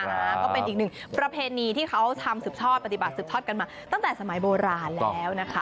ก็เป็นอีกหนึ่งประเพณีที่เขาทำสืบทอดปฏิบัติสืบทอดกันมาตั้งแต่สมัยโบราณแล้วนะคะ